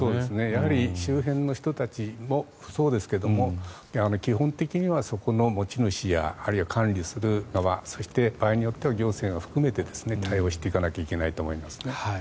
やはり周辺の人たちもそうですが基本的にはそこの持ち主やあるいは管理する側そして、場合によっては行政含めて対応していかないといけないと思いますね。